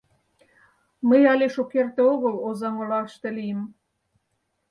— Мый але шукерте огыл Озаҥ олаште лийым.